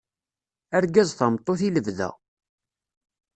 Argaz tameṭṭut i lebda.